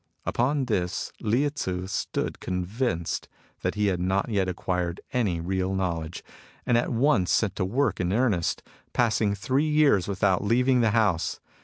Upon this Lieh Tzu stood convinced that he had not yet acquired any real knowledge, and at once set to work in earnest, passing three years without leaving the house.